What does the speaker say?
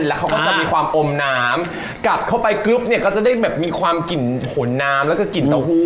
แล้วเขาก็จะมีความอมน้ำกัดเข้าไปปุ๊บเนี่ยก็จะได้แบบมีความกลิ่นขนน้ำแล้วก็กลิ่นเต้าหู้